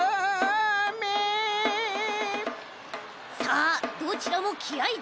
さあどちらもきあい